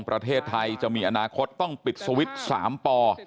ประเทศไทยจะมีอนาคตต้องปิดสวิตช์๓ป